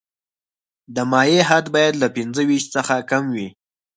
د مایع حد باید له پنځه ویشت څخه کم وي